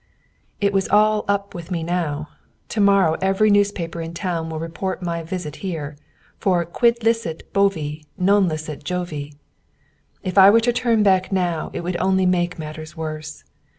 It was all up with me now! To morrow every newspaper in the town will report my visit here. For "quod licet bovi, non licet Jovi." If I were to turn back now, it would only make matters worse.